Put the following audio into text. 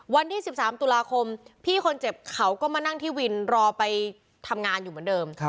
วันที่๑๓ตุลาคมพี่คนเจ็บเขาก็มานั่งที่วินรอไปทำงานอยู่เหมือนเดิม